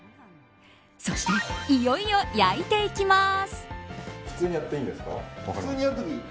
そして、いよいよ焼いていきます。